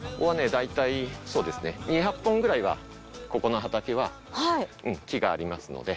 だいたいそうですね２００本くらいはここの畑は木がありますので。